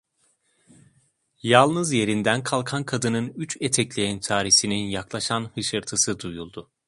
Yalnız yerinden kalkan kadının üç etekli entarisinin yaklaşan hışırtısı duyuldu.